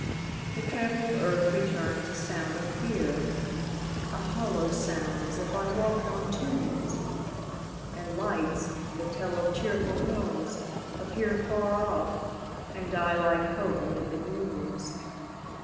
The trampled earth returns a sound of fear A hollow sound, as if I walked on tombs! And lights, that tell of cheerful homes, appear Far off, and die like hope amid the glooms.